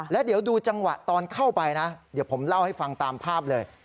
แล้วเดี๋ยวดูจังหวะตอนเข้าไปนะเดี๋ยวผมเล่าให้ฟังตามภาพเลย